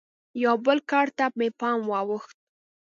یوه بل کار ته مې پام واوښت.